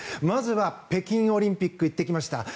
まずは北京オリンピック行ってきました。